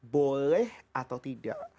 boleh atau tidak